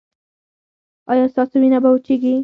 ایا ستاسو وینه به وچیږي؟